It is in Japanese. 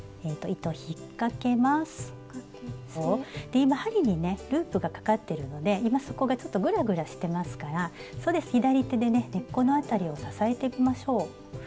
で今針にねループがかかってるので今そこがちょっとグラグラしてますからそうです左手でね根っこの辺りを支えてみましょう。